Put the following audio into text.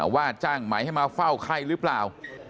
ว่าจ้างใหม่ให้มาเฝ้าไข้หรือเปล่า